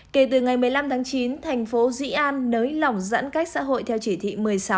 kể từ ngày một mươi năm tháng chín thành phố dĩ an nới lỏng giãn cách xã hội theo chỉ thị một mươi sáu